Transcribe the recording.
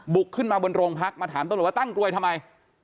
ขึ้นมาบนโรงพักมาถามตำรวจว่าตั้งกลวยทำไม